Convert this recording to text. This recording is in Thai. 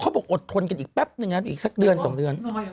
เขาบอกอดทนกันอีกแปปหนึ่งน่ะอีกสักเตือนสองเรือน